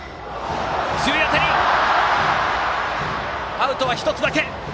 アウトは１つだけ！